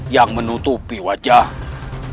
yang menutupi wajahnya